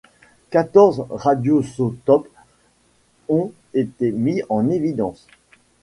Quatorze radioisotopes ont été mis en évidence.